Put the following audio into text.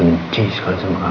saya benci sekali sama kamu